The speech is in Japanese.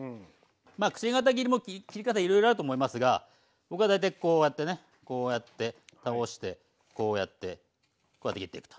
まあくし形切りも切り方いろいろあると思いますが僕は大体こうやってねこうやって倒してこうやってこうやって切っていくと。